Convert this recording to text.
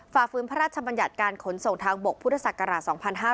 ฝืนพระราชบัญญัติการขนส่งทางบกพุทธศักราช๒๕๕๙